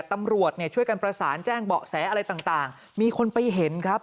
ตำรวจเนี่ยช่วยกันประสานแจ้งเบาะแสอะไรต่างมีคนไปเห็นครับ